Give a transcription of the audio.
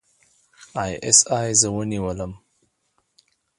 اى ايس اى زه ونیولم.